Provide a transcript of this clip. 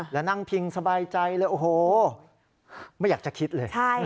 แล้วนั่งพิงสบายใจเลยโอ้โหไม่อยากจะคิดเลย